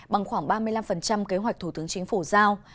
bằng khoảng ba mươi năm kế hoạch thủ tướng chính phủ giao